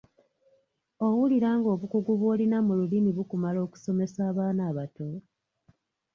Owulira ng’obukugu bw’olina mu Lulimi bukumala okusomesa abaana abato?